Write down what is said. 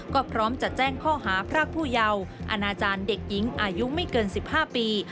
ก็พร้อมจะแจ้งข้อหาพรากผู้เยาว์อนาจารย์เด็กหญิงอายุไม่เกิน๑๕ปี